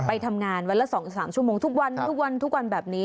ไปทำงานวันละสองสามชั่วโมงทุกวันแบบนี้